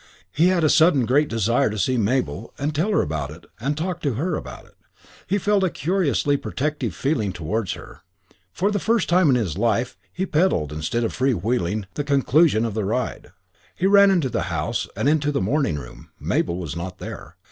He had a sudden great desire to see Mabel and tell her about it and talk to her about it. He felt a curiously protective feeling towards her. For the first time in his life he pedalled instead of free wheeling the conclusion of the ride. He ran into the house and into the morning room. Mabel was not there.